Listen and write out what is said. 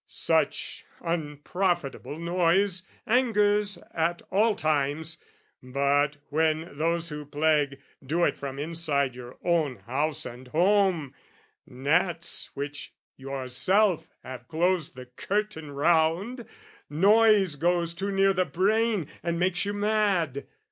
Such unprofitable noise Angers at all times: but when those who plague, Do it from inside your own house and home, Gnats which yourself have closed the curtain round, Noise goes too near the brain and makes you mad.